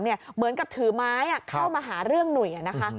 เหมือนกับถือไม้เข้ามาหาเรื่องหนุ่ยนะคะ